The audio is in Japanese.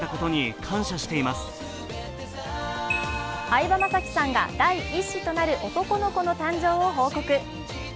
相葉雅紀さんが第一子となる男の子の誕生を報告。